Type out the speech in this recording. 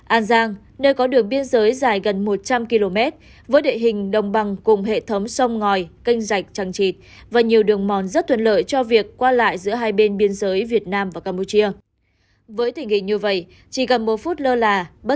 an giang nơi có đường biên giới dài gần một trăm linh km với địa hình đồng bằng cùng hệ thống sông ngòi canh rạch chẳng chịt và nhiều đường mòn rất thuận lợi cho việc qua lại giữa hai bên biên giới việt nam và campuchia